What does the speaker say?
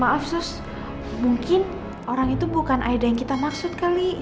maaf sus mungkin orang itu bukan ada yang kita maksud kali